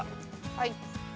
はい。